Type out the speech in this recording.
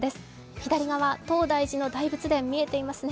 左側、東大寺の大仏殿見えていますね。